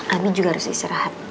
abi juga harus istirahat